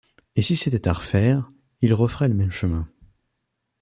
Et si c’était à refaire, ils referaient le même chemin.